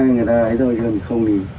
người ta ấy thôi chứ không thì